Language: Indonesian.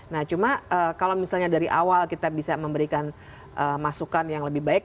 nah cuma kalau misalnya dari awal kita bisa memberikan masukan yang lebih baik